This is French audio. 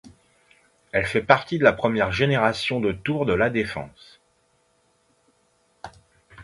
Elle fait partie de la première génération de tours de La Défense.